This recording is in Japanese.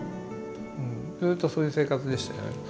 ずっとそういう生活でしたよね。